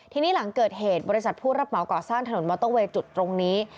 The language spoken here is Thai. ทีนี้หลังเกิดเหตุบริษัทผู้รับเหมาก่อสร้างถนนมอเตอร์เวย์จุดตรงนี้